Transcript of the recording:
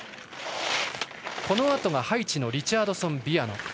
このあとがハイチのリチャードソン・ビアノ。